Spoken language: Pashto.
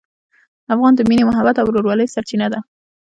افغان د مینې، محبت او ورورولۍ سرچینه ده.